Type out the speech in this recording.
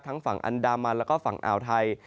ฝั่งอันดามันแล้วก็ฝั่งอ่าวไทย